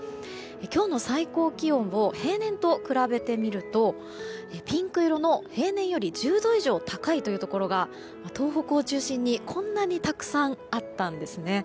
今日の最高気温を平年と比べてみるとピンク色の平年より１０度以上高いというところが東北を中心に、こんなにたくさんあったんですね。